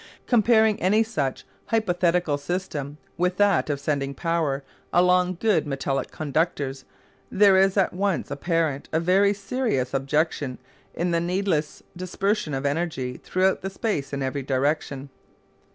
Comparing any such hypothetical system with that of sending power along good metallic conductors, there is at once apparent a very serious objection in the needless dispersion of energy throughout space in every direction.